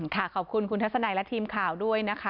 ขอบคุณคุณทัศนัยและทีมข่าวด้วยนะคะ